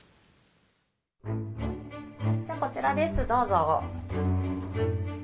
じゃあこちらですどうぞ。